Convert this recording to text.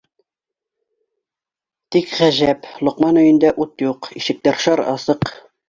Тик, ғәжәп, Лоҡман өйөндә ут юҡ, ишектәр шар асыҡ.